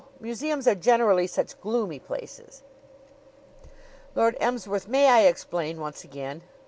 Museums are generally such gloomy places." "Lord Emsworth, may I explain once again?"